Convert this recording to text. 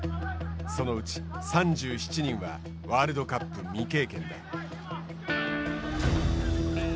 そのうち３７人はワールドカップ未経験だ。